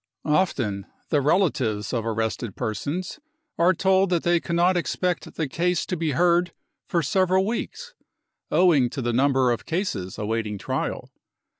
Often the relatives of arrested persons are told that they cannot expect the case to be heard for several weeks, owing to the number of cases awaiting trial.